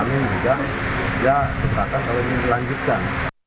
akan juga ya keberatan kalau ini dilanjutkan